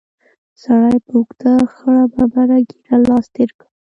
سړي په اوږده خړه ببره ږېره لاس تېر کړ.